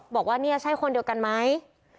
บอกว่าเนี่ยใช่คนเดียวกันไหม